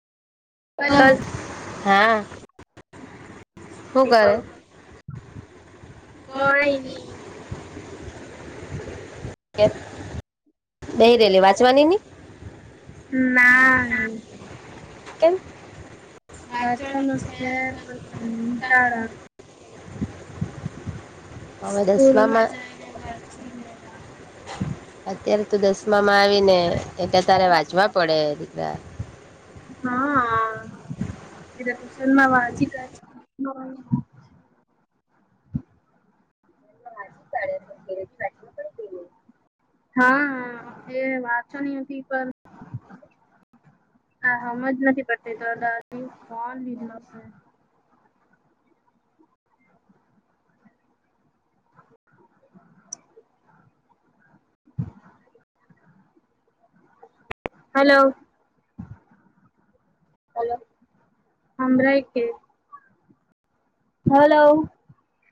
હા ક નહી નહીરેલી વાંચવાનીની ના વાચોનું છે, તો ટાળ હ દસલામાં અત્ય્યારે તો દ મામા આવી ને એટલે તારે વાંચવા પડે દીકરા હા એ તોશમાં વાચી એ છે. હા એ વાચની હતી, પણ આ હજ નથી પડતી તો દાદી કોણ લીધ. હલો હ ર હલો.